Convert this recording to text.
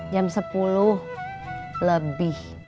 jam sepuluh lebih